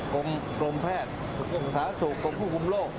กรมแพทย์คุณสาธารณสุขกรมผู้กรุงโลก